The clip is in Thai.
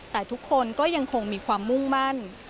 แต่ทุกคนก็ยังคงมีความมุ่งมั่น